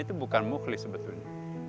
itu bukan mukhlis sebetulnya